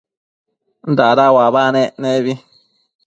dada uabanec nebi